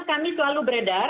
kami selalu beredar